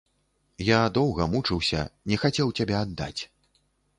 Я доўга мучыўся, не хацеў цябе аддаць.